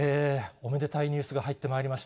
おめでたいニュースが入ってまいりました。